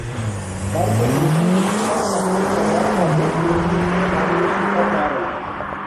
Burwell received his first Academy Award for Best Original Score nomination for "Carol".